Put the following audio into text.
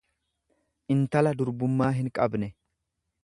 intala dubrummaa hinqabne.